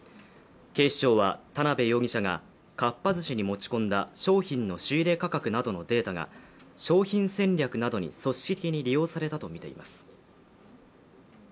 警視庁は、田辺容疑者がかっぱ寿司に持ち込んだ商品の仕入れ価格などのデータが商品戦略などに組織的に利用されたとみています。